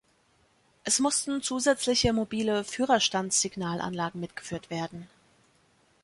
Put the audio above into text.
Es mussten zusätzliche mobile Führerstandssignalanlagen mitgeführt werden.